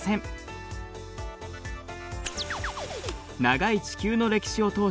長い地球の歴史を通して